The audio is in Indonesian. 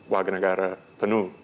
wajah negara penuh